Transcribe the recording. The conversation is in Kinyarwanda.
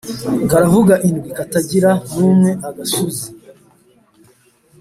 Karavuga indwi katagira n'umwe-Agasuzi.